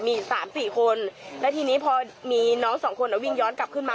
มีสามสี่คนแล้วทีนี้พอมีน้องสองคนอ่ะวิ่งย้อนกลับขึ้นมา